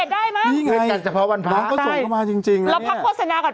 เดี๋ยวโทรไปเกียร์กับพี่ก่อน